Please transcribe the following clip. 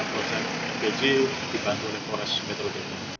proses beji dibantu oleh polres metrodek